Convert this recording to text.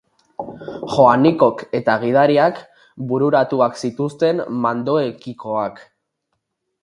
Joanikok eta gidariak bururatuak zituzten mandoekikoak.